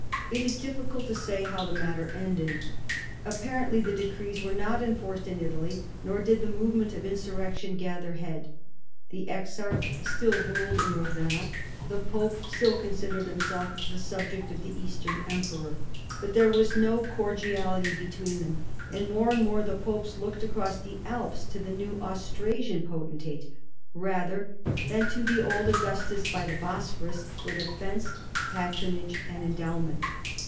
It is difficult to say ho\y the matter ended. Appar ently the decrees \yere not enforced in Italy, nor did the movement of insurrection gather head. The exarch still ruled in Ravenna; the pope still con sidered himself the subject of the eastern emperor; but there was no cordiality between them, and more and more the popes looked across the Alps to the new Austrasian potentate, rather than to the old Augustus by the Bosphorus, for defence, patron age, and endowment.